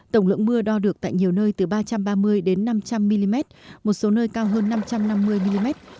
tổng lượng mưa đo được tại nhiều nơi từ ba trăm ba mươi đến năm trăm linh mm một số nơi cao hơn năm trăm năm mươi mm